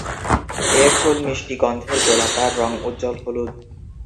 এর ফুল মিষ্টি গন্ধের, গোলাকার, রঙ উজ্জ্বল হলুদ।